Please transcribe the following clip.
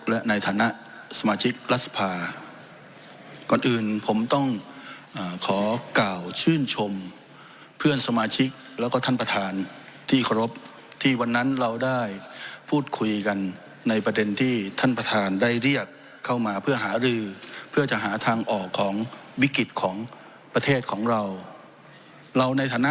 และในฐัณะสมาชิกพรัสภา